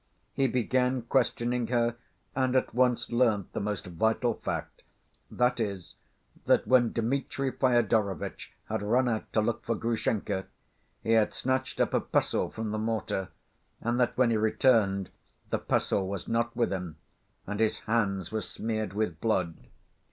He began questioning her and at once learnt the most vital fact, that is, that when Dmitri Fyodorovitch had run out to look for Grushenka, he had snatched up a pestle from the mortar, and that when he returned, the pestle was not with him and his hands were smeared with blood.